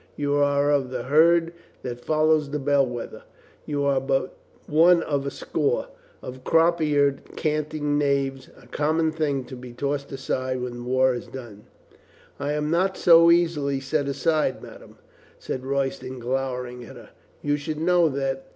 You are of the herd that follow the bell wether. You are but one of a score | of crop eared, canting knaves, a common thing to be tossed aside when the war is done." "I am not so easily set aside, madame," said Royston, glowering at her. "You should know that.